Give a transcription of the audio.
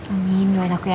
amin doain aku ya